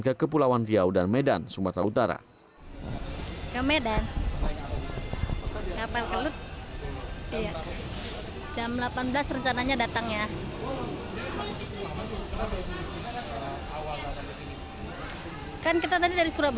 ke kepulauan riau dan medan sumatera utara